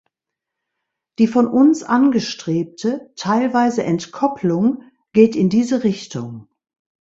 Die von uns angestrebte teilweise Entkopplung geht in diese Richtung.